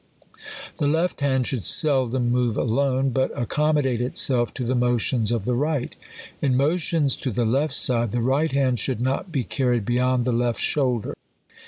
The left hand should seldom move alone, but ac commodate itself to the motions of the right. In mo tions to the left side, the right hand should not be car ried beyond the left shoulder.